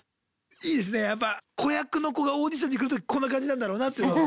いいですねやっぱ子役の子がオーディションに来るときこんな感じなんだろうなっていうのを。